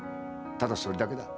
ただそれだけだ。